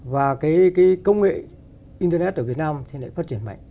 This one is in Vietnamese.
và cái công nghệ internet ở việt nam thì lại phát triển mạnh